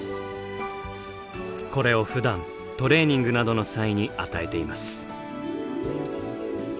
これをふだんトレーニングなどの際に与えています。